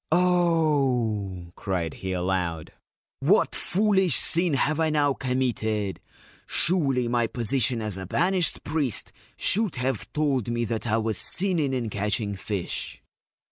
c Oh/ cried he aloud, 1 what foolish sin have I now committed ? Surely my position as a banished priest should have told me that I was sinning in catching fish